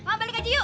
ayo balik aja yuk